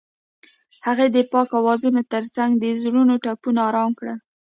هغې د پاک اوازونو ترڅنګ د زړونو ټپونه آرام کړل.